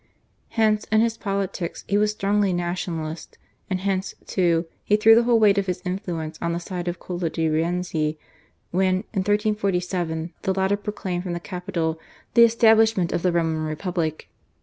Hence in his politics he was strongly nationalist, and hence, too, he threw the whole weight of his influence on the side of Cola di Rienzi, when in 1347 the latter proclaimed from the Capitol the establishment of the Roman Republic.